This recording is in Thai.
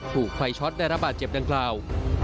ถูกไฟช็อตได้รับบาดเจ็บดังกล่าว